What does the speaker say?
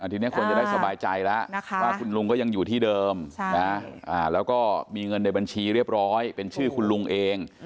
ทีนี้คนจะได้สบายใจแล้วว่าคุณลุงก็ยังอยู่ที่เดิมแล้วก็มีเงินในบัญชีเรียบร้อยเป็นชื่อคุณลุงเอง